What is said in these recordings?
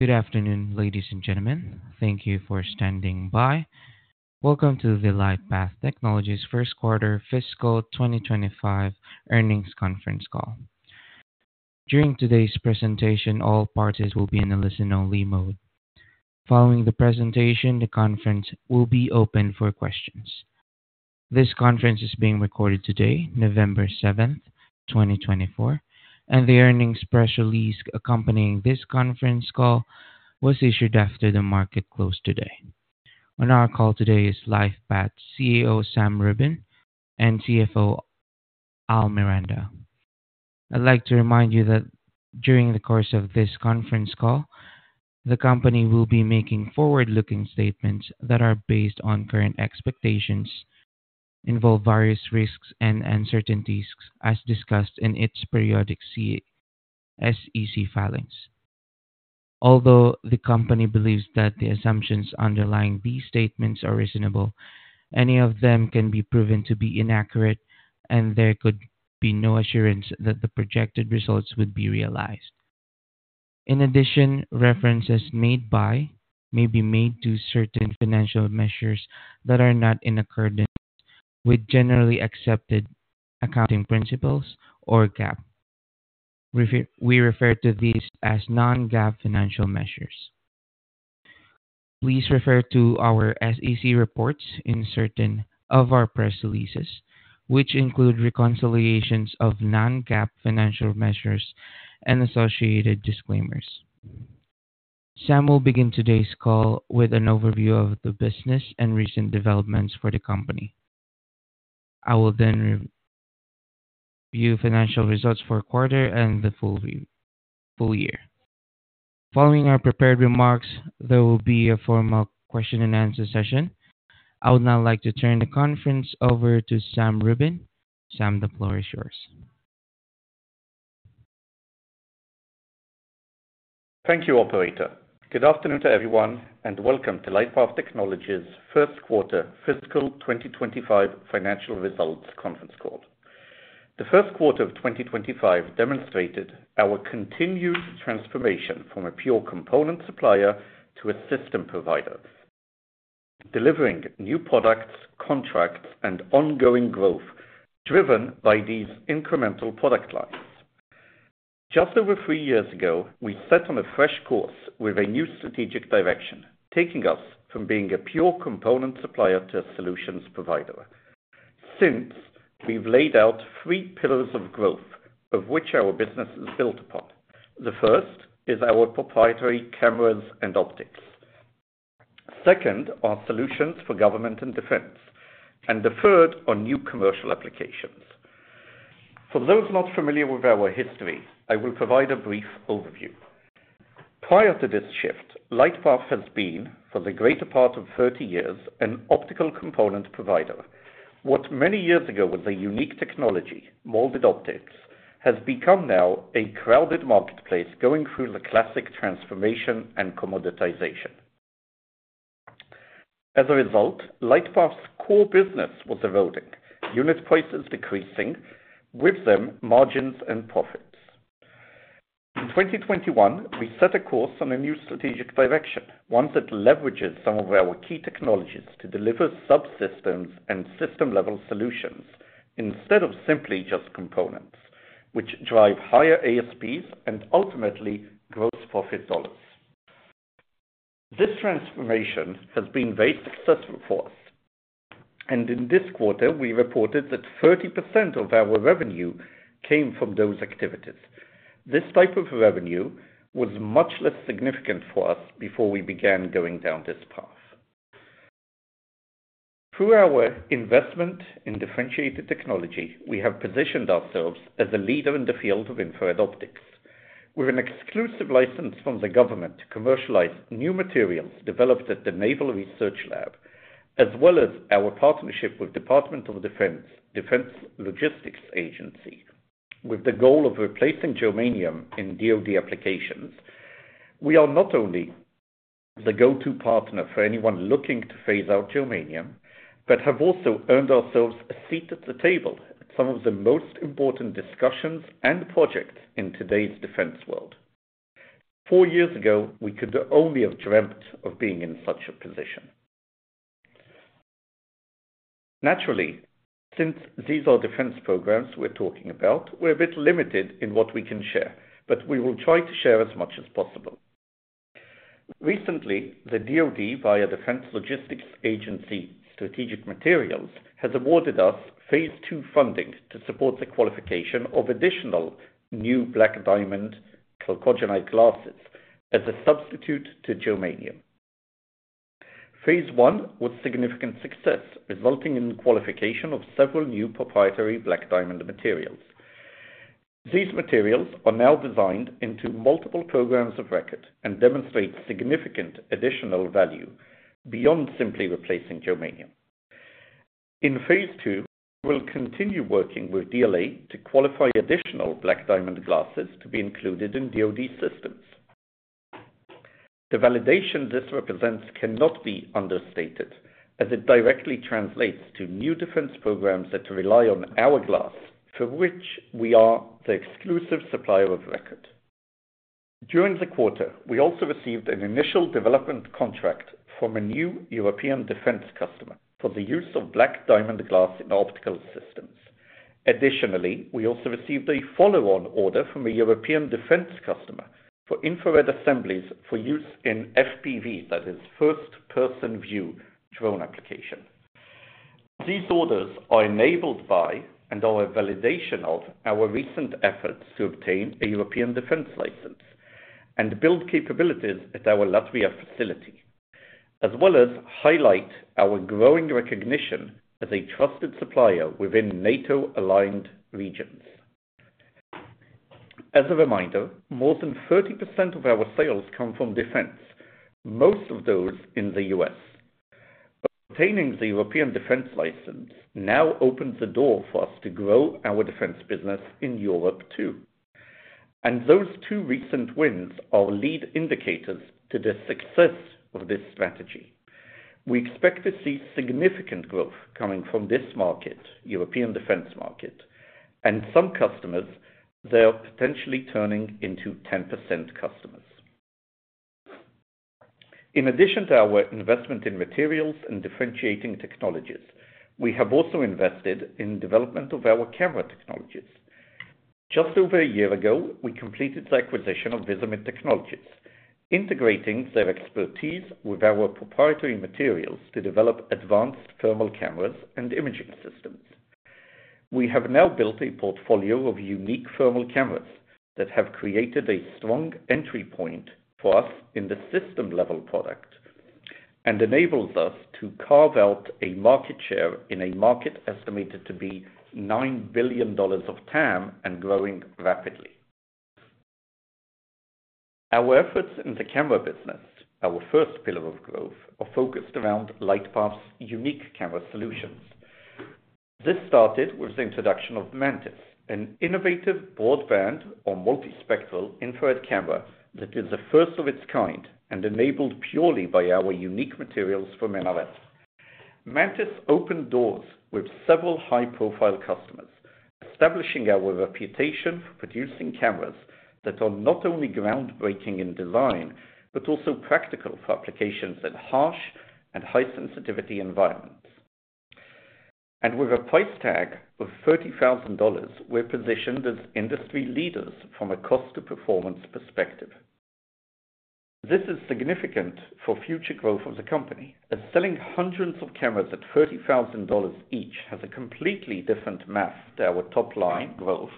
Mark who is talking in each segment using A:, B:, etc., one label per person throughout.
A: Good afternoon, ladies and gentlemen. Thank you for standing by. Welcome to the LightPath Technologies First Quarter Fiscal 2025 Earnings Conference Call. During today's presentation, all parties will be in a listen-only mode. Following the presentation, the conference will be open for questions. This conference is being recorded today, November 7th, 2024, and the earnings press release accompanying this conference call was issued after the market closed today. On our call today is LightPath CEO Sam Rubin and CFO Al Miranda. I'd like to remind you that during the course of this conference call, the company will be making forward-looking statements that are based on current expectations, involve various risks, and uncertainties, as discussed in its periodic SEC filings. Although the company believes that the assumptions underlying these statements are reasonable, any of them can be proven to be inaccurate, and there could be no assurance that the projected results would be realized. In addition, references made today may be made to certain financial measures that are not in accordance with generally accepted accounting principles or GAAP. We refer to these as non-GAAP financial measures. Please refer to our SEC reports in certain of our press releases, which include reconciliations of non-GAAP financial measures and associated disclaimers. Sam will begin today's call with an overview of the business and recent developments for the company. I will then review financial results for the quarter and the full year. Following our prepared remarks, there will be a formal question-and-answer session. I would now like to turn the conference over to Sam Rubin. Sam, the floor is yours.
B: Thank you, Operator. Good afternoon to everyone, and welcome to LightPath Technologies First Quarter Fiscal 2025 Financial Results Conference Call. The first quarter of 2025 demonstrated our continued transformation from a pure component supplier to a system provider, delivering new products, contracts, and ongoing growth driven by these incremental product lines. Just over three years ago, we set on a fresh course with a new strategic direction, taking us from being a pure component supplier to a solutions provider. Since, we've laid out three pillars of growth, of which our business is built upon. The first is our proprietary cameras and optics. Second are solutions for government and defense, and the third are new commercial applications. For those not familiar with our history, I will provide a brief overview. Prior to this shift, LightPath has been, for the greater part of 30 years, an optical component provider. What many years ago was a unique technology, molded optics, has become now a crowded marketplace going through the classic transformation and commoditization. As a result, LightPath's core business was eroding, unit prices decreasing, with them margins and profits. In 2021, we set a course on a new strategic direction, one that leverages some of our key technologies to deliver subsystems and system-level solutions instead of simply just components, which drive higher ASPs and ultimately gross profit dollars. This transformation has been very successful for us, and in this quarter, we reported that 30% of our revenue came from those activities. This type of revenue was much less significant for us before we began going down this path. Through our investment in differentiated technology, we have positioned ourselves as a leader in the field of infrared optics, with an exclusive license from the government to commercialize new materials developed at the Naval Research Lab, as well as our partnership with the Department of Defense Defense Logistics Agency, with the goal of replacing germanium in DOD applications. We are not only the go-to partner for anyone looking to phase out germanium, but have also earned ourselves a seat at the table at some of the most important discussions and projects in today's defense world. Four years ago, we could only have dreamt of being in such a position. Naturally, since these are defense programs we're talking about, we're a bit limited in what we can share, but we will try to share as much as possible. Recently, the DOD, via Defense Logistics Agency Strategic Materials, has awarded us Phase Two funding to support the qualification of additional new Black Diamond chalcogenide glasses as a substitute to germanium. Phase One was significant success, resulting in the qualification of several new proprietary Black Diamond materials. These materials are now designed into multiple programs of record and demonstrate significant additional value beyond simply replacing germanium. In Phase Two, we will continue working with DLA to qualify additional Black Diamond glasses to be included in DOD systems. The validation this represents cannot be understated, as it directly translates to new defense programs that rely on our glass, for which we are the exclusive supplier of record. During the quarter, we also received an initial development contract from a new European defense customer for the use of Black Diamond glass in optical systems. Additionally, we also received a follow-on order from a European defense customer for infrared assemblies for use in FPV, that is, first-person view drone application. These orders are enabled by and are a validation of our recent efforts to obtain a European defense license and build capabilities at our Latvia facility, as well as highlight our growing recognition as a trusted supplier within NATO-aligned regions. As a reminder, more than 30% of our sales come from defense, most of those in the U.S. Obtaining the European defense license now opens the door for us to grow our defense business in Europe too, and those two recent wins are lead indicators to the success of this strategy. We expect to see significant growth coming from this market, the European defense market, and some customers that are potentially turning into 10% customers. In addition to our investment in materials and differentiating technologies, we have also invested in the development of our camera technologies. Just over a year ago, we completed the acquisition of Visimid Technologies, integrating their expertise with our proprietary materials to develop advanced thermal cameras and imaging systems. We have now built a portfolio of unique thermal cameras that have created a strong entry point for us in the system-level product and enables us to carve out a market share in a market estimated to be $9 billion of TAM and growing rapidly. Our efforts in the camera business, our first pillar of growth, are focused around LightPath's unique camera solutions. This started with the introduction of MANTIS, an innovative broadband or multispectral infrared camera that is a first of its kind and enabled purely by our unique materials from NRL. MANTIS opened doors with several high-profile customers, establishing our reputation for producing cameras that are not only groundbreaking in design but also practical for applications in harsh and high-sensitivity environments, and with a price tag of $30,000, we're positioned as industry leaders from a cost-to-performance perspective. This is significant for future growth of the company, as selling hundreds of cameras at $30,000 each has a completely different math to our top-line growth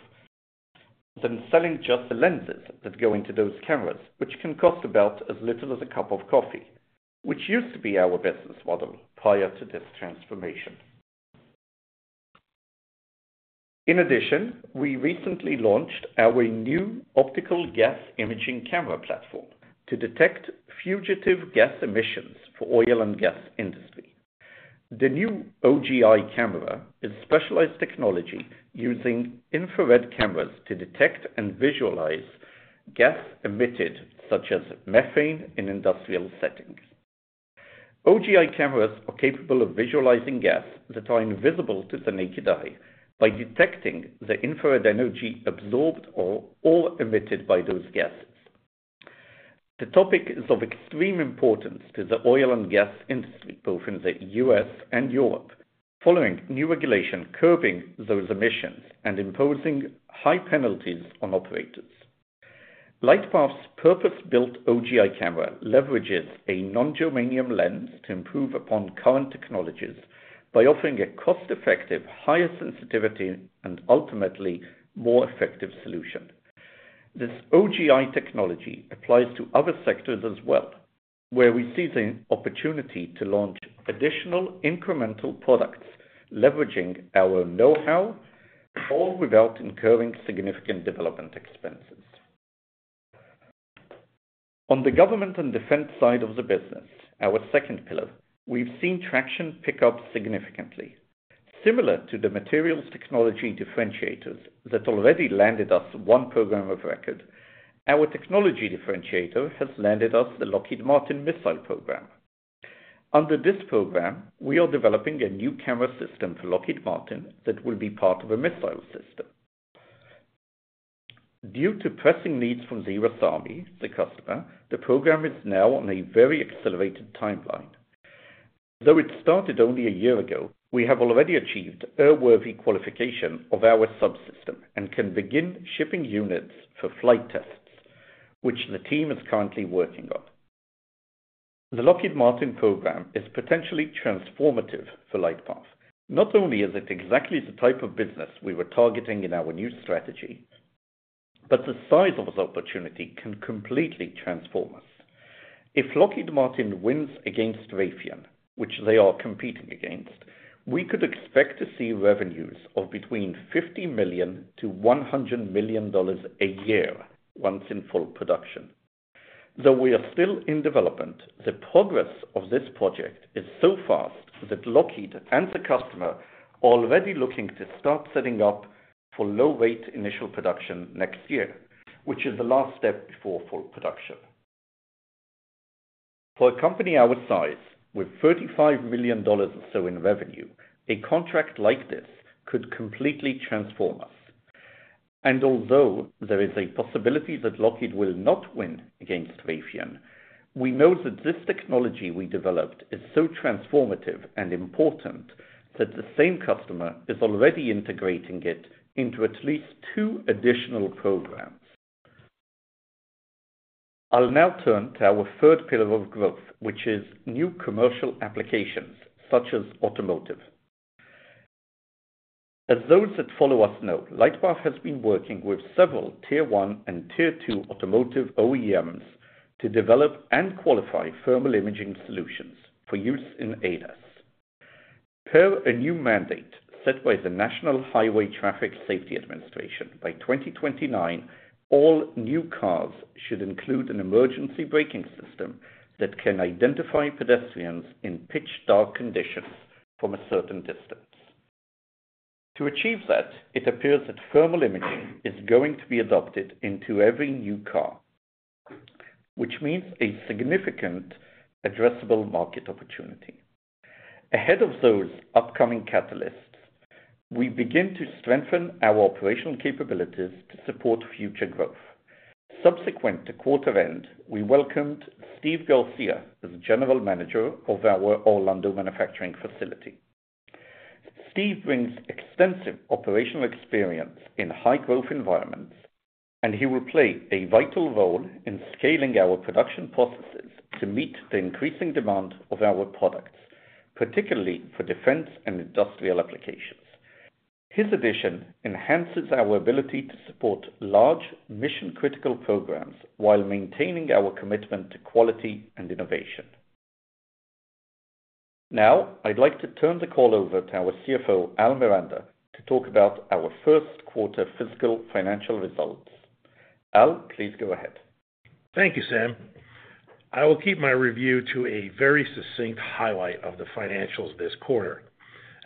B: than selling just the lenses that go into those cameras, which can cost about as little as a cup of coffee, which used to be our business model prior to this transformation. In addition, we recently launched our new optical gas imaging camera platform to detect fugitive gas emissions for the oil and gas industry. The new OGI camera is specialized technology using infrared cameras to detect and visualize gas emitted, such as methane, in industrial settings. OGI cameras are capable of visualizing gas that are invisible to the naked eye by detecting the infrared energy absorbed or emitted by those gases. The topic is of extreme importance to the oil and gas industry, both in the U.S. and Europe, following new regulation curbing those emissions and imposing high penalties on operators. LightPath's purpose-built OGI camera leverages a non-germanium lens to improve upon current technologies by offering a cost-effective, higher-sensitivity, and ultimately more effective solution. This OGI technology applies to other sectors as well, where we see the opportunity to launch additional incremental products leveraging our know-how, all without incurring significant development expenses. On the government and defense side of the business, our second pillar, we've seen traction pick up significantly. Similar to the materials technology differentiators that already landed us one program of record, our technology differentiator has landed us the Lockheed Martin missile program. Under this program, we are developing a new camera system for Lockheed Martin that will be part of a missile system. Due to pressing needs from the Army, the customer, the program is now on a very accelerated timeline. Though it started only a year ago, we have already achieved airworthy qualification of our subsystem and can begin shipping units for flight tests, which the team is currently working on. The Lockheed Martin program is potentially transformative for LightPath. Not only is it exactly the type of business we were targeting in our new strategy, but the size of this opportunity can completely transform us. If Lockheed Martin wins against Raytheon, which they are competing against, we could expect to see revenues of between $50 million-$100 million a year once in full production. Though we are still in development, the progress of this project is so fast that Lockheed and the customer are already looking to start setting up for low-rate initial production next year, which is the last step before full production. For a company our size, with $35 million or so in revenue, a contract like this could completely transform us. And although there is a possibility that Lockheed will not win against Raytheon, we know that this technology we developed is so transformative and important that the same customer is already integrating it into at least two additional programs. I'll now turn to our third pillar of growth, which is new commercial applications such as automotive. As those that follow us know, LightPath has been working with several Tier One and Tier Two automotive OEMs to develop and qualify thermal imaging solutions for use in ADAS. Per a new mandate set by the National Highway Traffic Safety Administration, by 2029, all new cars should include an emergency braking system that can identify pedestrians in pitch-dark conditions from a certain distance. To achieve that, it appears that thermal imaging is going to be adopted into every new car, which means a significant addressable market opportunity. Ahead of those upcoming catalysts, we begin to strengthen our operational capabilities to support future growth. Subsequent to quarter end, we welcomed Steve Garcia as General Manager of our Orlando manufacturing facility. Steve brings extensive operational experience in high-growth environments, and he will play a vital role in scaling our production processes to meet the increasing demand of our products, particularly for defense and industrial applications. His addition enhances our ability to support large mission-critical programs while maintaining our commitment to quality and innovation. Now, I'd like to turn the call over to our CFO, Al Miranda, to talk about our first quarter fiscal financial results. Al, please go ahead.
C: Thank you, Sam. I will keep my review to a very succinct highlight of the financials this quarter.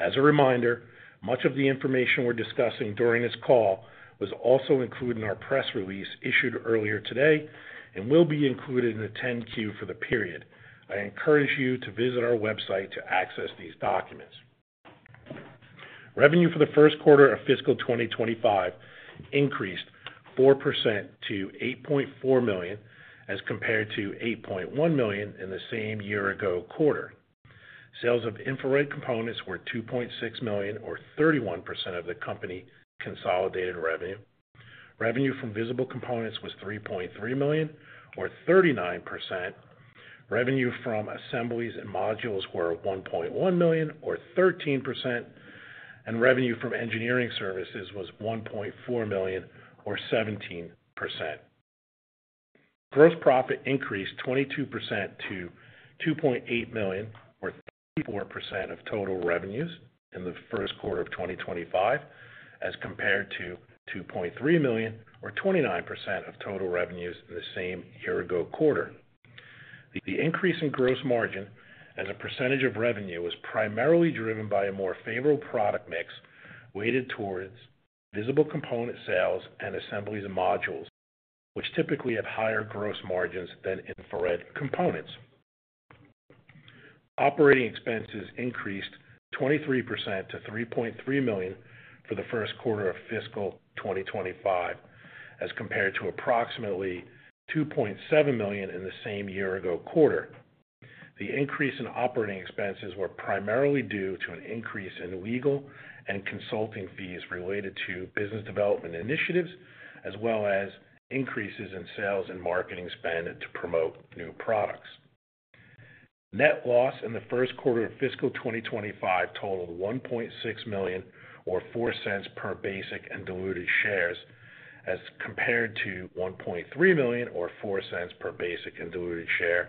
C: As a reminder, much of the information we're discussing during this call was also included in our press release issued earlier today and will be included in the 10-Q for the period. I encourage you to visit our website to access these documents. Revenue for the first quarter of fiscal 2025 increased 4% to $8.4 million as compared to $8.1 million in the same year-ago quarter. Sales of infrared components were $2.6 million, or 31% of the company's consolidated revenue. Revenue from visible components was $3.3 million, or 39%. Revenue from assemblies and modules were $1.1 million, or 13%, and revenue from engineering services was $1.4 million, or 17%. Gross profit increased 22% to $2.8 million, or 34% of total revenues in the first quarter of 2025, as compared to $2.3 million, or 29% of total revenues in the same year-ago quarter. The increase in gross margin as a percentage of revenue was primarily driven by a more favorable product mix weighted towards visible component sales and assemblies and modules, which typically have higher gross margins than infrared components. Operating expenses increased 23% to $3.3 million for the first quarter of fiscal 2025, as compared to approximately $2.7 million in the same year-ago quarter. The increase in operating expenses was primarily due to an increase in legal and consulting fees related to business development initiatives, as well as increases in sales and marketing spend to promote new products. Net loss in the first quarter of fiscal 2025 totaled $1.6 million, or 4 cents per basic and diluted shares, as compared to $1.3 million, or 4 cents per basic and diluted share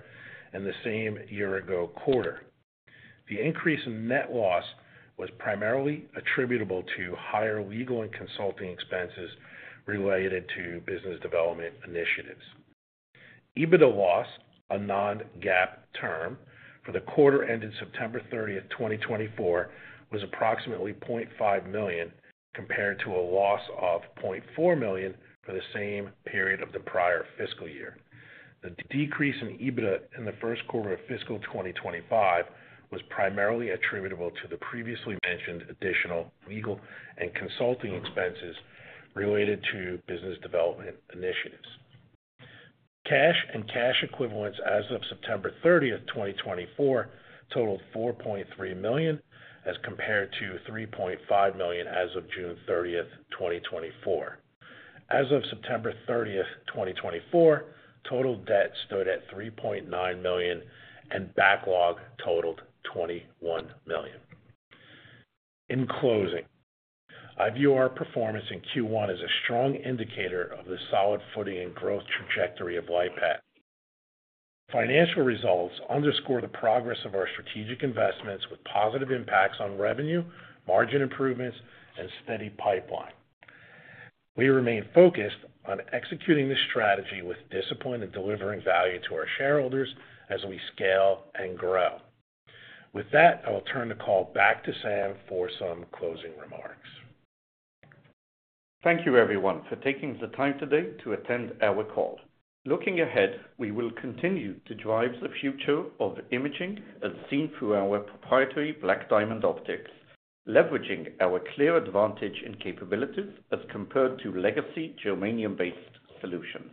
C: in the same year-ago quarter. The increase in net loss was primarily attributable to higher legal and consulting expenses related to business development initiatives. EBITDA loss, a non-GAAP term, for the quarter ended September 30, 2024, was approximately $0.5 million compared to a loss of $0.4 million for the same period of the prior fiscal year. The decrease in EBITDA in the first quarter of fiscal 2025 was primarily attributable to the previously mentioned additional legal and consulting expenses related to business development initiatives. Cash and cash equivalents as of September 30, 2024, totaled $4.3 million, as compared to $3.5 million as of June 30, 2024. As of September 30, 2024, total debt stood at $3.9 million, and backlog totaled $21 million. In closing, I view our performance in Q1 as a strong indicator of the solid footing and growth trajectory of LightPath. Financial results underscore the progress of our strategic investments with positive impacts on revenue, margin improvements, and steady pipeline. We remain focused on executing this strategy with discipline and delivering value to our shareholders as we scale and grow. With that, I will turn the call back to Sam for some closing remarks.
B: Thank you, everyone, for taking the time today to attend our call. Looking ahead, we will continue to drive the future of imaging as seen through our proprietary Black Diamond optics, leveraging our clear advantage in capabilities as compared to legacy germanium-based solutions.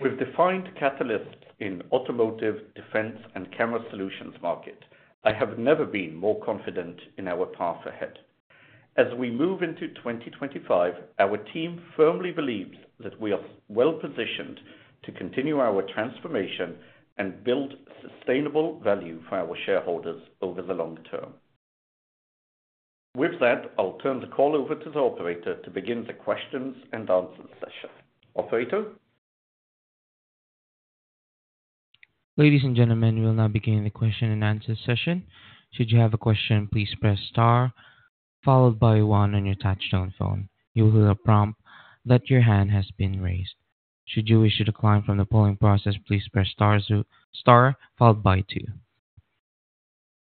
B: With defined catalysts in the automotive, defense, and camera solutions market, I have never been more confident in our path ahead. As we move into 2025, our team firmly believes that we are well-positioned to continue our transformation and build sustainable value for our shareholders over the long term. With that, I'll turn the call over to the operator to begin the question and answer session. Operator.
A: Ladies and gentlemen, we will now begin the question and answer session. Should you have a question, please press star, followed by one on your touch-tone phone. You will hear a prompt that your hand has been raised. Should you wish to decline from the polling process, please press star, followed by two.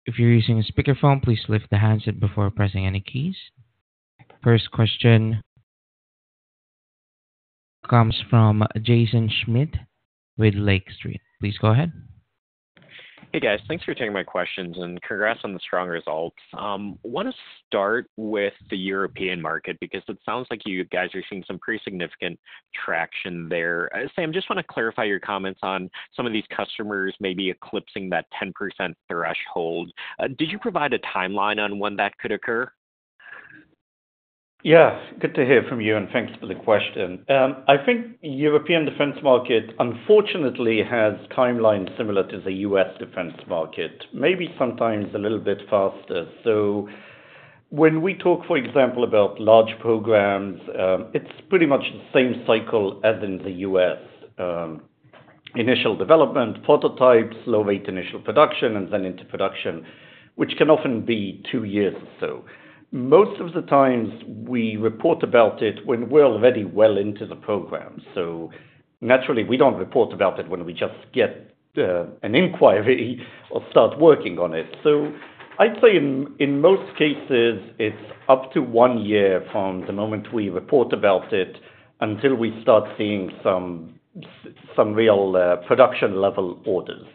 A: If you're using a speakerphone, please lift the handset before pressing any keys. First question comes from Jaeson Schmidt with Lake Street Capital Markets. Please go ahead.
D: Hey, guys. Thanks for taking my questions, and congrats on the strong results. I want to start with the European market because it sounds like you guys are seeing some pretty significant traction there. Sam, just want to clarify your comments on some of these customers maybe eclipsing that 10% threshold. Did you provide a timeline on when that could occur?
B: Yeah. Good to hear from you, and thanks for the question. I think the European defense market, unfortunately, has timelines similar to the U.S. defense market, maybe sometimes a little bit faster. So when we talk, for example, about large programs, it's pretty much the same cycle as in the U.S.: initial development, prototypes, low-weight initial production, and then into production, which can often be two years or so. Most of the time, we report about it when we're already well into the program. So naturally, we don't report about it when we just get an inquiry or start working on it. So I'd say in most cases, it's up to one year from the moment we report about it until we start seeing some real production-level orders.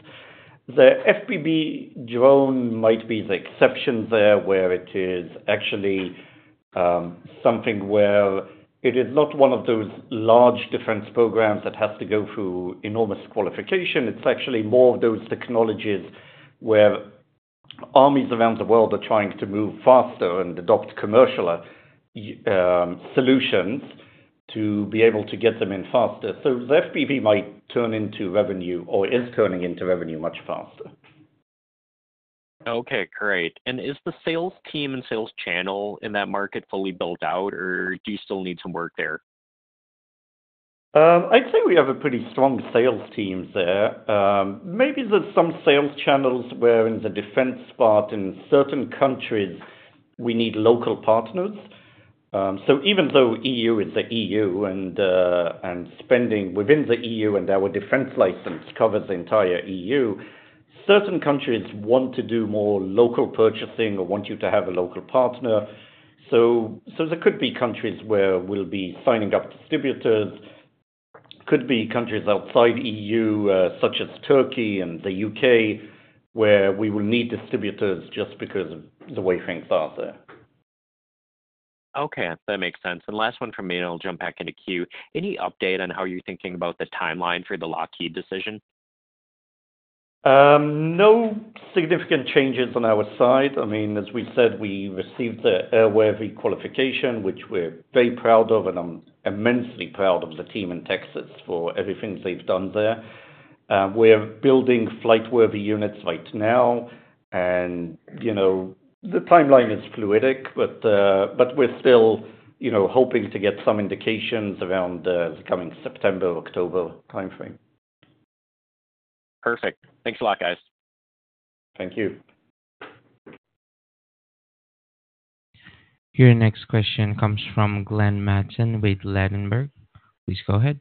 B: The FPV drone might be the exception there, where it is actually something where it is not one of those large defense programs that has to go through enormous qualification. It's actually more of those technologies where armies around the world are trying to move faster and adopt commercial solutions to be able to get them in faster. So the FPV might turn into revenue or is turning into revenue much faster.
D: Okay. Great. And is the sales team and sales channel in that market fully built out, or do you still need some work there?
B: I'd say we have a pretty strong sales team there. Maybe there's some sales channels where in the defense part, in certain countries, we need local partners. So even though E.U. is the E.U. and spending within the E.U. and our defense license covers the entire E.U., certain countries want to do more local purchasing or want you to have a local partner. So there could be countries where we'll be signing up distributors. It could be countries outside the E.U., such as Turkey and the U.K., where we will need distributors just because of the way things are there.
D: Okay. That makes sense. And last one from me, and I'll jump back into Q. Any update on how you're thinking about the timeline for the Lockheed decision?
B: No significant changes on our side. I mean, as we said, we received the airworthy requalification, which we're very proud of, and I'm immensely proud of the team in Texas for everything they've done there. We're building flight-worthy units right now, and the timeline is fluid, but we're still hoping to get some indications around the coming September, October timeframe.
D: Perfect. Thanks a lot, guys.
B: Thank you.
A: Your next question comes from Glenn Mattson with Ladenburg Thalmann. Please go ahead.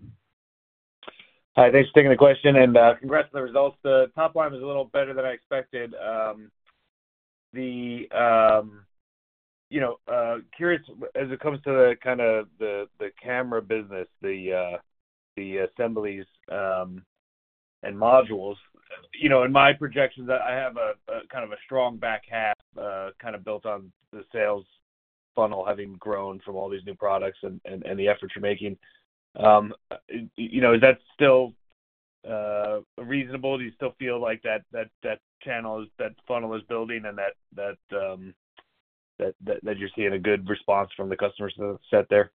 E: Hi. Thanks for taking the question, and congrats on the results. The top line was a little better than I expected. Curious, as it comes to kind of the camera business, the assemblies and modules, in my projections, I have kind of a strong back half kind of built on the sales funnel, having grown from all these new products and the efforts you're making. Is that still reasonable? Do you still feel like that channel, that funnel, is building and that you're seeing a good response from the customer set there?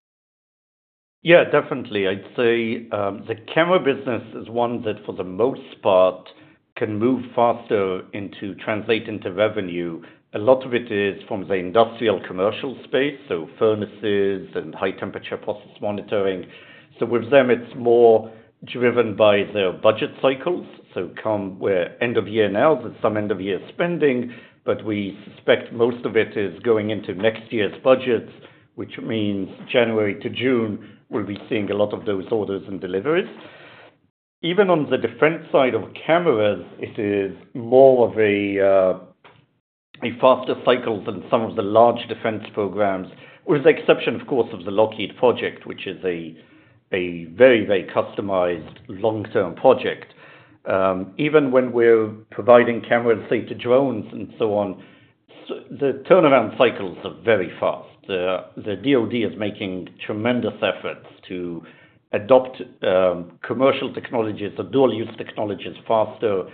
B: Yeah, definitely. I'd say the camera business is one that, for the most part, can move faster to translate into revenue. A lot of it is from the industrial commercial space, so furnaces and high-temperature process monitoring. So with them, it's more driven by their budget cycles. So come end of year now, there's some end-of-year spending, but we suspect most of it is going into next year's budgets, which means January to June, we'll be seeing a lot of those orders and deliveries. Even on the defense side of cameras, it is more of a faster cycle than some of the large defense programs, with the exception, of course, of the Lockheed project, which is a very, very customized long-term project. Even when we're providing cameras, say, to drones and so on, the turnaround cycles are very fast. The DOD is making tremendous efforts to adopt commercial technologies, the dual-use technologies, faster,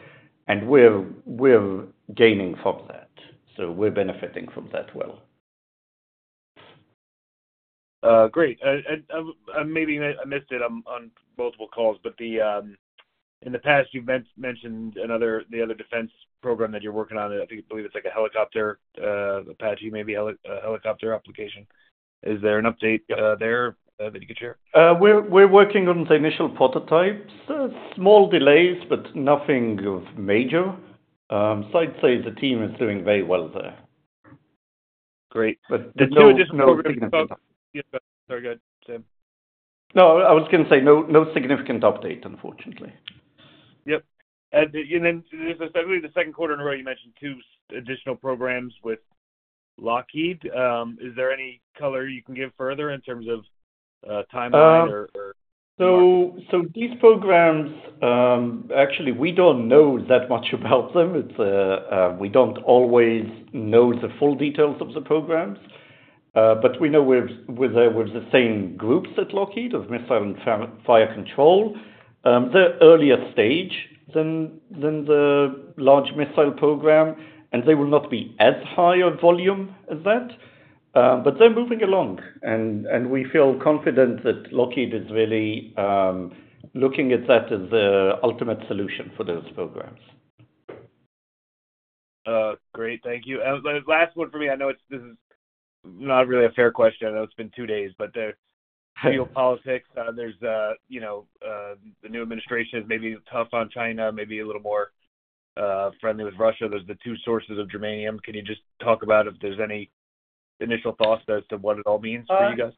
B: and we're gaining from that. So we're benefiting from that well.
E: Great. And maybe I missed it on multiple calls, but in the past, you've mentioned the other defense program that you're working on. I believe it's like a helicopter, Apache, maybe a helicopter application. Is there an update there that you could share?
C: We're working on the initial prototypes. Small delays, but nothing major. So I'd say the team is doing very well there.
B: Great. But no significant update.
E: Sorry. Go ahead, Sam.
B: No, I was going to say no significant update, unfortunately.
E: Yep. And then there's a second quarter in a row you mentioned two additional programs with Lockheed. Is there any color you can give further in terms of timeline or?
B: So these programs, actually, we don't know that much about them. We don't always know the full details of the programs, but we know we're with the same groups at Lockheed Martin Missiles and Fire Control. They're earlier stage than the large missile program, and they will not be as high a volume as that. But they're moving along, and we feel confident that Lockheed is really looking at that as the ultimate solution for those programs.
E: Great. Thank you. Last one for me. I know this is not really a fair question. I know it's been two days, but geopolitics, there's the new administration is maybe tough on China, maybe a little more friendly with Russia. There's the two sources of germanium. Can you just talk about if there's any initial thoughts as to what it all means for you guys?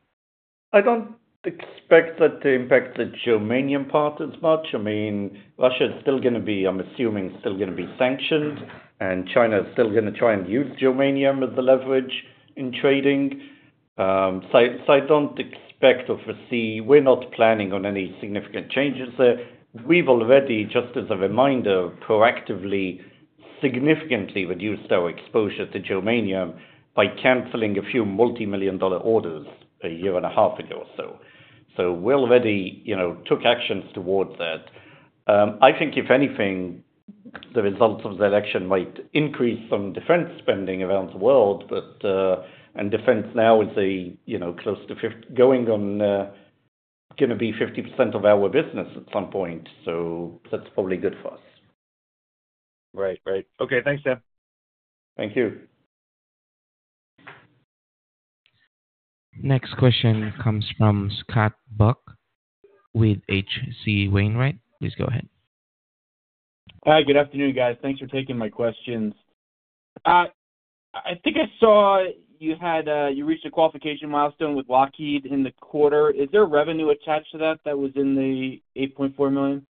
B: I don't expect that to impact the germanium part as much. I mean, Russia is still going to be, I'm assuming, still going to be sanctioned, and China is still going to try and use germanium as the leverage in trading. So I don't expect or foresee we're not planning on any significant changes there. We've already, just as a reminder, proactively significantly reduced our exposure to germanium by canceling a few multi-million-dollar orders a year and a half ago or so. So we already took actions towards that. I think, if anything, the results of the election might increase some defense spending around the world, and defense now is close to going to be 50% of our business at some point. So that's probably good for us.
E: Right. Right. Okay. Thanks, Sam.
B: Thank you.
A: Next question comes from Scott Buck with H.C. Wainwright, right? Please go ahead.
F: Hi. Good afternoon, guys. Thanks for taking my questions. I think I saw you reached a qualification milestone with Lockheed in the quarter. Is there revenue attached to that that was in the $8.4 million?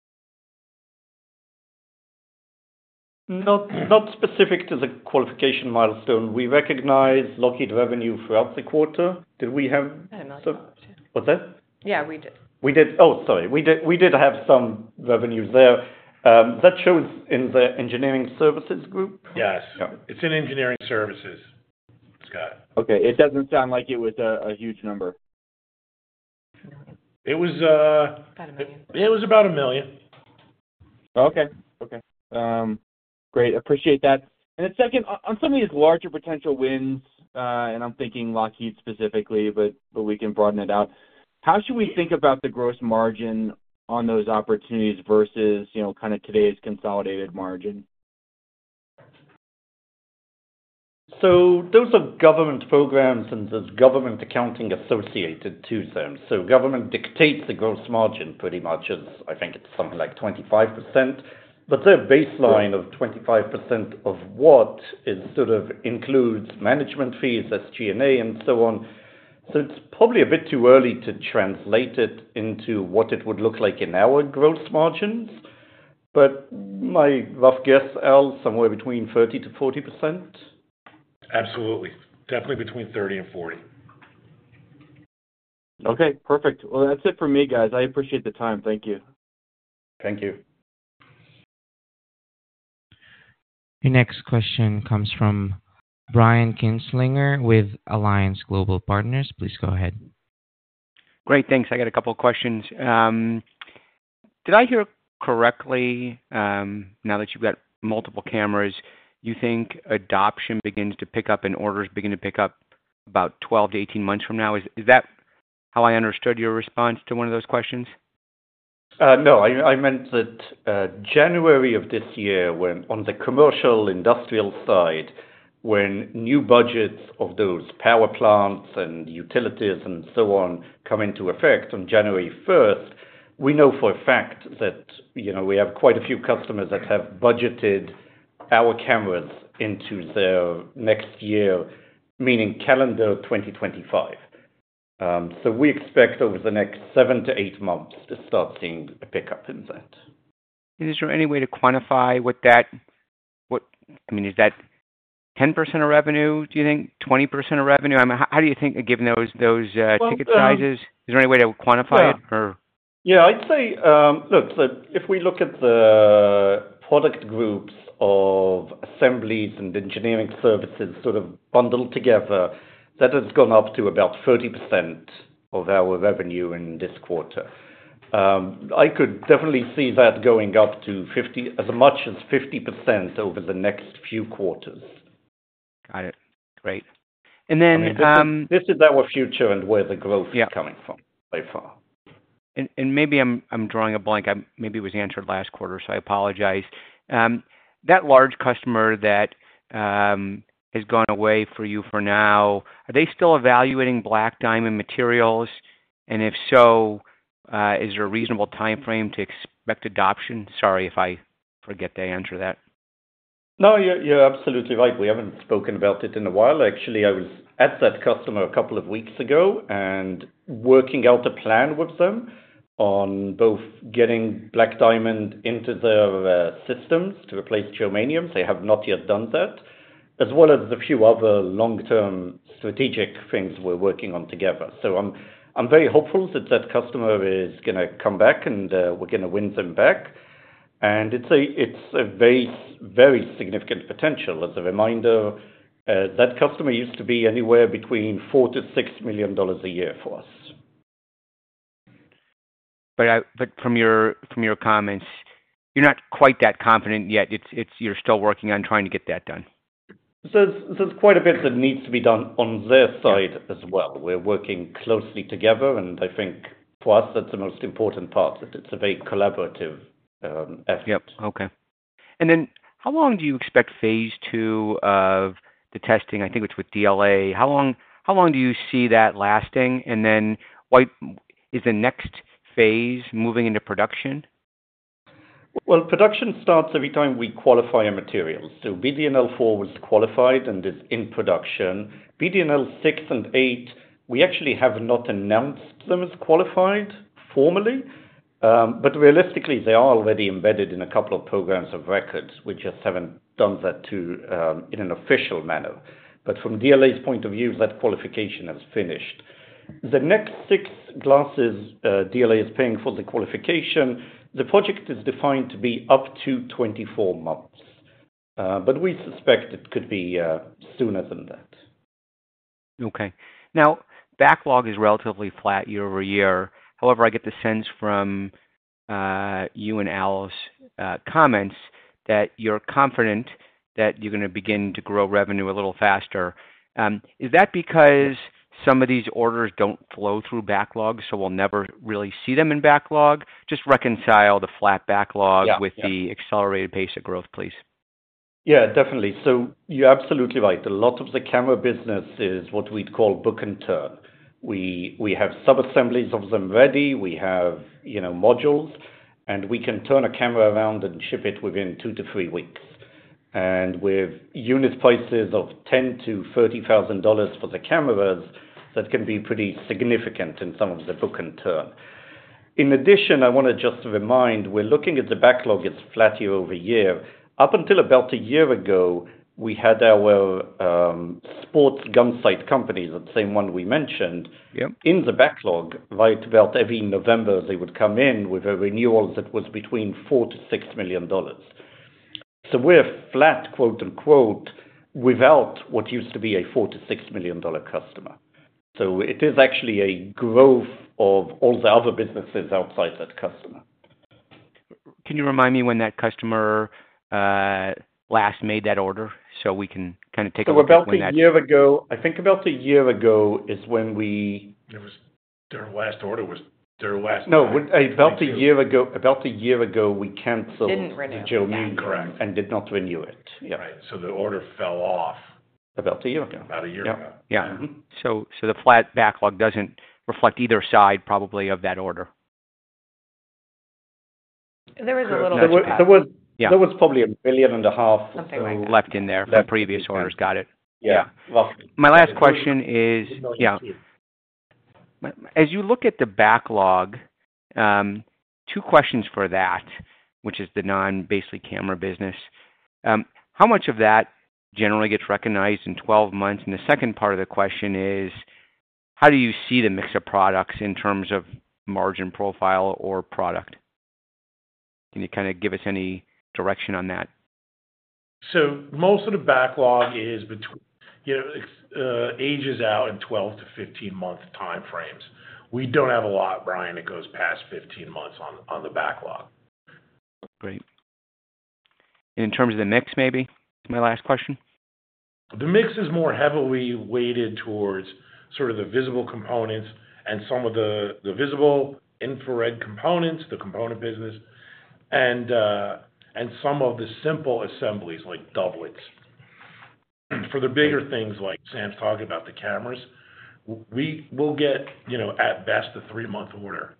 B: Not specific to the qualification milestone. We recognize Lockheed revenue throughout the quarter. Did we have?
G: Yeah. Not so much.
B: What's that?
G: Yeah. We did.
B: Oh, sorry. We did have some revenues there. That shows in the engineering services group?
C: Yes. It's in engineering services, Scott.
B: Okay. It doesn't sound like it was a huge number.
C: It was about $1 million. Yeah. It was about $1 million.
F: Okay. Okay. Great. Appreciate that. And then second, on some of these larger potential wins, and I'm thinking Lockheed specifically, but we can broaden it out. How should we think about the gross margin on those opportunities versus kind of today's consolidated margin?
B: So those are government programs, and there's government accounting associated to them. So government dictates the gross margin pretty much as I think it's something like 25%, but their baseline of 25% of what is sort of includes management fees, SG&A, and so on. So it's probably a bit too early to translate it into what it would look like in our gross margins, but my rough guess, Al, somewhere between 30%-40%.
C: Absolutely. Definitely between 30%-40%.
F: Okay. Perfect. Well, that's it for me, guys. I appreciate the time. Thank you.
C: Thank you.
A: Your next question comes from Brian Kinstlinger with Alliance Global Partners. Please go ahead.
H: Great. Thanks. I got a couple of questions. Did I hear correctly, now that you've got multiple cameras, you think adoption begins to pick up and orders begin to pick up about 12 to 18 months from now? Is that how I understood your response to one of those questions?
B: No. I meant that January of this year, on the commercial industrial side, when new budgets of those power plants and utilities and so on come into effect on January 1st, we know for a fact that we have quite a few customers that have budgeted our cameras into their next year, meaning calendar 2025. So we expect over the next seven to eight months to start seeing a pickup in that.
H: Is there any way to quantify what that I mean, is that 10% of revenue, do you think? 20% of revenue? I mean, how do you think, given those ticket sizes? Is there any way to quantify it, or?
B: Yeah. I'd say, look, so if we look at the product groups of assemblies and engineering services sort of bundled together, that has gone up to about 30% of our revenue in this quarter. I could definitely see that going up to as much as 50% over the next few quarters.
H: Got it. Great, and then
B: this is our future and where the growth is coming from so far.
H: Maybe I'm drawing a blank. Maybe it was answered last quarter, so I apologize. That large customer that has gone away for you for now, are they still evaluating Black Diamond materials? And if so, is there a reasonable timeframe to expect adoption? Sorry if I forget to answer that.
B: No, you're absolutely right. We haven't spoken about it in a while. Actually, I was at that customer a couple of weeks ago, and working out a plan with them on both getting Black Diamond into their systems to replace germanium. They have not yet done that, as well as a few other long-term strategic things we're working on together. So I'm very hopeful that that customer is going to come back, and we're going to win them back, and it's a very, very significant potential. As a reminder, that customer used to be anywhere between $4 million-$6 million a year for us. But from your comments, you're not quite that confident yet. You're still working on trying to get that done. So there's quite a bit that needs to be done on their side as well. We're working closely together, and I think for us, that's the most important part, that it's a very collaborative effort.
H: Yep. Okay. And then, how long do you expect phase two of the testing? I think it's with DLA. How long do you see that lasting? And then, is the next phase moving into production?
B: Well, production starts every time we qualify a material. So, BDNL-4 was qualified and is in production. BDNL-6 and BDNL-8, we actually have not announced them as qualified formally, but realistically, they are already embedded in a couple of programs of record. We just haven't done that in an official manner. But from DLA's point of view, that qualification has finished. The next six glasses, DLA is paying for the qualification. The project is defined to be up to 24 months, but we suspect it could be sooner than that.
H: Okay. Now, backlog is relatively flat year over year. However, I get the sense from you and Al's comments that you're confident that you're going to begin to grow revenue a little faster. Is that because some of these orders don't flow through backlog, so we'll never really see them in backlog? Just reconcile the flat backlog with the accelerated pace of growth, please.
B: Yeah. Definitely. So you're absolutely right. A lot of the camera business is what we'd call book and turn. We have sub-assemblies of them ready. We have modules, and we can turn a camera around and ship it within two to three weeks. And with unit prices of $10,000-$30,000 for the cameras, that can be pretty significant in some of the book and turn. In addition, I want to just remind, we're looking at the backlog. It's flat year over year. Up until about a year ago, we had our sports gun sight companies, that same one we mentioned, in the backlog. Right about every November, they would come in with a renewal that was between $4 million-$6 million. So we're flat, quote unquote, without what used to be a $4 million-$6 million customer. So it is actually a growth of all the other businesses outside that customer.
H: Can you remind me when that customer last made that order so we can kind of take a look at that?
B: So about a year ago, I think about a year ago is when we—
C: that was their last order.
B: No. About a year ago, we canceled the germanium and did not renew it.
C: Right. So the order fell off. About a year ago.
B: Yeah. So the flat backlog doesn't reflect either side, probably, of that order. There is a little bit of that. There was probably $1.5 million left in there from previous orders.
H: Got it. Yeah. My last question is, yeah. As you look at the backlog, two questions for that, which is the non-basically camera business. How much of that generally gets recognized in 12 months? And the second part of the question is, how do you see the mix of products in terms of margin profile or product? Can you kind of give us any direction on that?
C: So most of the backlog ages out in 12- to 15-month timeframes. We don't have a lot, Brian, that goes past 15 months on the backlog.
H: Great. In terms of the mix, maybe, is my last question.
B: The mix is more heavily weighted towards sort of the visible components and some of the visible infrared components, the component business, and some of the simple assemblies like doublets. For the bigger things, like Sam's talking about the cameras, we will get, at best, a three-month order.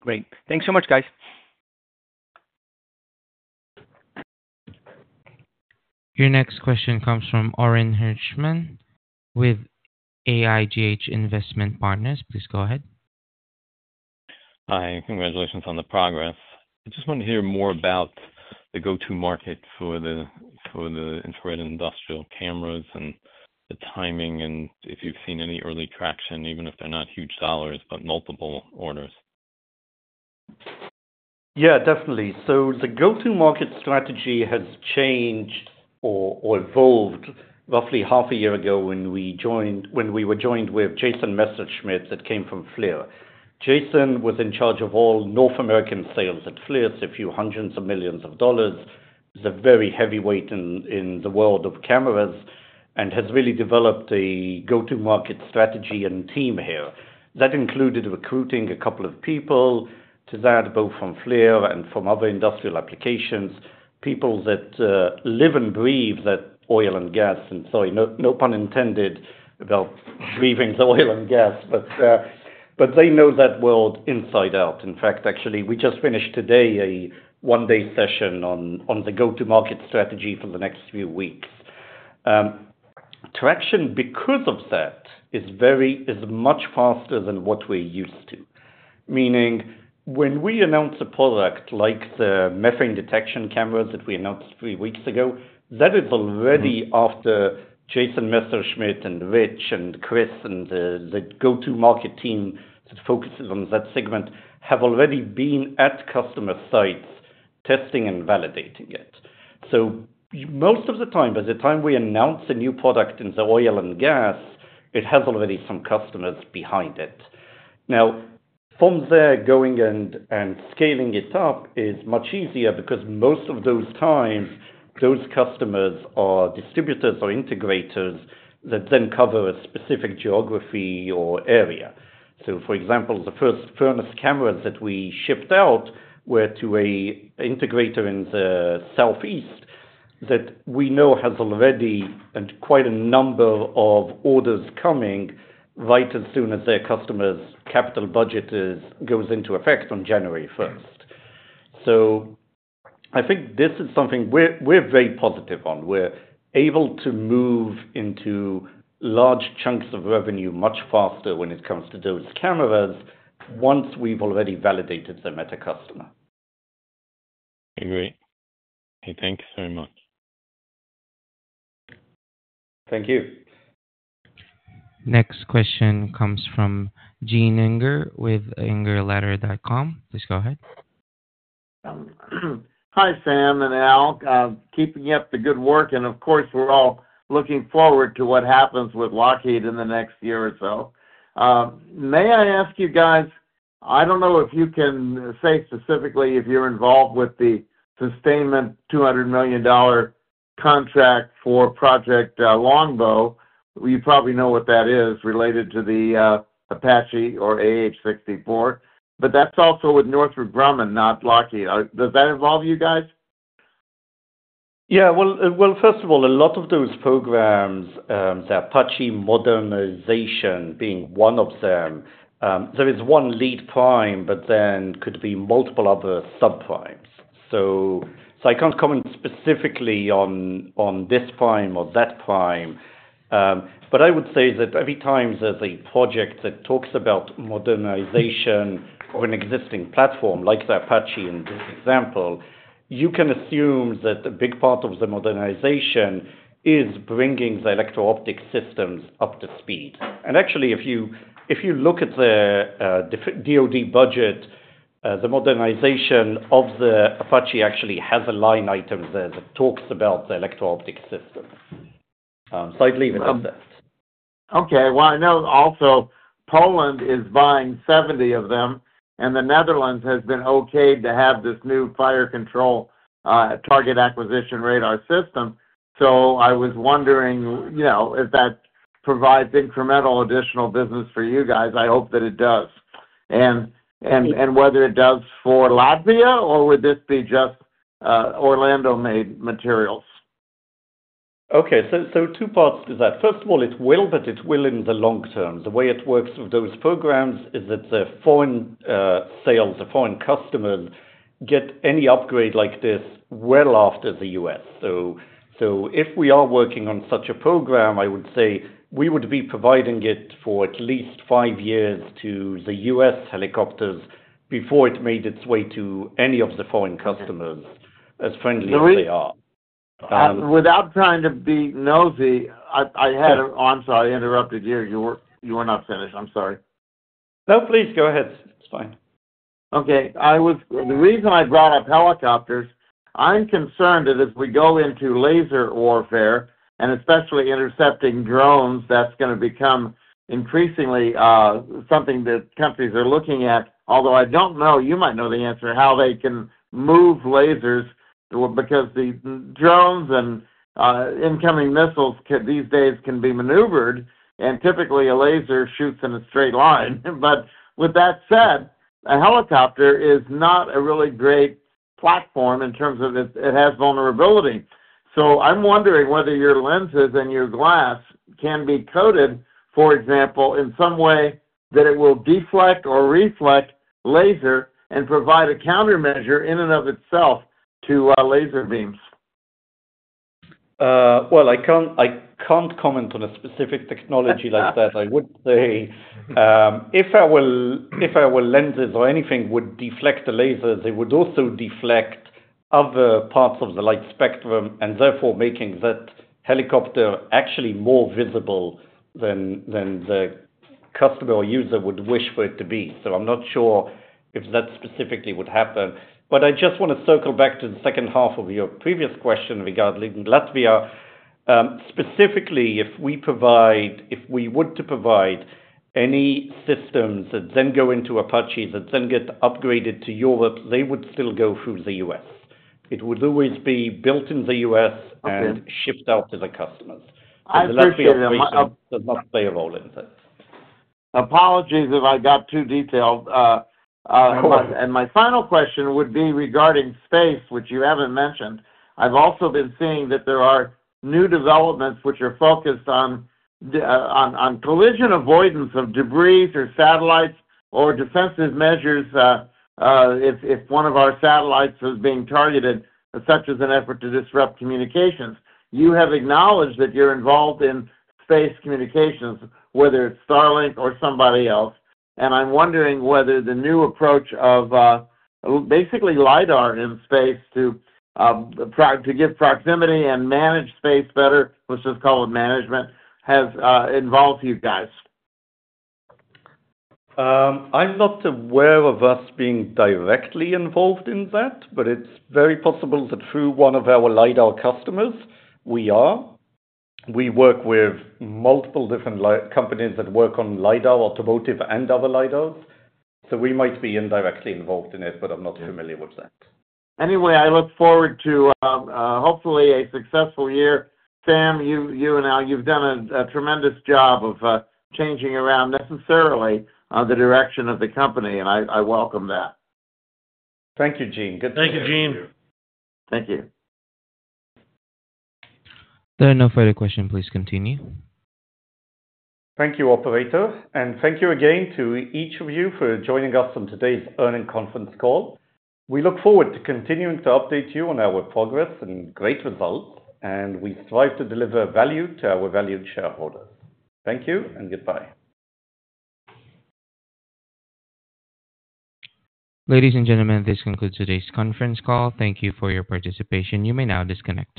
H: Great. Thanks so much, guys.
A: Your next question comes from Orin Hirschman with AIGH Investment Partners. Please go ahead.
I: Hi. Congratulations on the progress. I just want to hear more about the go-to market for the infrared industrial cameras and the timing and if you've seen any early traction, even if they're not huge dollars, but multiple orders.
B: Yeah. Definitely. So the go-to market strategy has changed or evolved roughly half a year ago when we were joined with Jason Messerschmidt that came from FLIR. Jason was in charge of all North American sales at FLIR, a few hundred million. He's a very heavyweight in the world of cameras and has really developed a go-to market strategy and team here. That included recruiting a couple of people to that, both from FLIR and from other industrial applications, people that live and breathe that oil and gas. And sorry, no pun intended about breathing the oil and gas, but they know that world inside out. In fact, actually, we just finished today a one-day session on the go-to market strategy for the next few weeks. Traction, because of that, is much faster than what we're used to. Meaning, when we announce a product like the methane detection cameras that we announced three weeks ago, that is already after Jason Messerschmidt and Rich and Chris and the go-to market team that focuses on that segment have already been at customer sites testing and validating it. So most of the time, by the time we announce a new product in the oil and gas, it has already some customers behind it. Now, from there, going and scaling it up is much easier because most of those times, those customers are distributors or integrators that then cover a specific geography or area. So, for example, the first furnace cameras that we shipped out were to an integrator in the Southeast that we know has already quite a number of orders coming right as soon as their customer's capital budget goes into effect on January 1st. So I think this is something we're very positive on. We're able to move into large chunks of revenue much faster when it comes to those cameras once we've already validated them at a customer.
I: Agree. Hey, thanks very much.
B: Thank you.
A: Next question comes from Gene Inger with IngerLetter.com. Please go ahead.
J: Hi, Sam and Al. Keeping up the good work. And of course, we're all looking forward to what happens with Lockheed in the next year or so. May I ask you guys, I don't know if you can say specifically if you're involved with the sustainment $200 million contract for Project Longbow. You probably know what that is related to the Apache or AH-64, but that's also with Northrop Grumman, not Lockheed. Does that involve you guys?
B: Yeah. First of all, a lot of those programs, the Apache modernization being one of them, there is one lead prime, but then could be multiple other subprimes. So I can't comment specifically on this prime or that prime. But I would say that every time there's a project that talks about modernization of an existing platform, like the Apache in this example, you can assume that a big part of the modernization is bringing the electro-optic systems up to speed. And actually, if you look at the DOD budget, the modernization of the Apache actually has a line item there that talks about the electro-optic system. So I'd leave it at that.
J: Okay. I know also Poland is buying 70 of them, and the Netherlands has been okayed to have this new fire control target acquisition radar system. So I was wondering if that provides incremental additional business for you guys. I hope that it does. And whether it does for Latvia, or would this be just Orlando-made materials?
B: Okay. So two parts to that. First of all, it will, but it will in the long term. The way it works with those programs is that the foreign sales, the foreign customers get any upgrade like this well after the U.S. So if we are working on such a program, I would say we would be providing it for at least five years to the U.S. helicopters before it made its way to any of the foreign customers as friendly as they are.
J: Without trying to be nosy, I had a, oh, I'm sorry, I interrupted you. You were not finished. I'm sorry.
B: No, please go ahead. It's fine.
J: Okay. The reason I brought up helicopters. I'm concerned that as we go into laser warfare and especially intercepting drones, that's going to become increasingly something that countries are looking at. Although I don't know, you might know the answer, how they can move lasers because the drones and incoming missiles these days can be maneuvered, and typically a laser shoots in a straight line. But with that said, a helicopter is not a really great platform in terms of it has vulnerability. So I'm wondering whether your lenses and your glass can be coated, for example, in some way that it will deflect or reflect laser and provide a countermeasure in and of itself to laser beams.
B: Well, I can't comment on a specific technology like that. I would say if our lenses or anything would deflect the lasers, it would also deflect other parts of the light spectrum and therefore making that helicopter actually more visible than the customer or user would wish for it to be, so I'm not sure if that specifically would happen, but I just want to circle back to the second half of your previous question regarding Latvia. Specifically, if we would provide any systems that then go into Apache that then get upgraded to Europe, they would still go through the U.S. It would always be built in the U.S. and shipped out to the customers, and Latvia does not play a role in that.
J: Apologies if I got too detailed, and my final question would be regarding space, which you haven't mentioned. I've also been seeing that there are new developments which are focused on collision avoidance of debris or satellites or defensive measures if one of our satellites is being targeted, such as an effort to disrupt communications. You have acknowledged that you're involved in space communications, whether it's Starlink or somebody else. And I'm wondering whether the new approach of basically LIDAR in space to give proximity and manage space better, which is called management, has involved you guys?
B: I'm not aware of us being directly involved in that, but it's very possible that through one of our LIDAR customers, we are. We work with multiple different companies that work on LIDAR, automotive, and other LIDARs. So we might be indirectly involved in it, but I'm not familiar with that.
J: Anyway, I look forward to hopefully a successful year. Sam, you and Al, you've done a tremendous job of changing around necessarily the direction of the company, and I welcome that.
B: Thank you, Gene. Good to see you.
C: Thank you, Gene.
J: Thank you.
A: There are no further questions. Please continue.
B: Thank you, operator. And thank you again to each of you for joining us on today's earnings conference call. We look forward to continuing to update you on our progress and great results, and we strive to deliver value to our valued shareholders. Thank you and goodbye.
A: Ladies and gentlemen, this concludes today's conference call. Thank you for your participation. You may now disconnect.